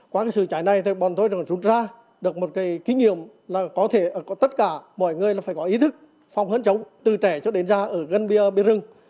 qua sự cháy này thì bọn tôi đã rút ra được một kinh nghiệm là có thể tất cả mọi người phải có ý thức phòng hấn chống từ trẻ cho đến già ở gần bia rừng